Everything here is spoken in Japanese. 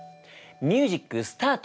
ミュージックスタート！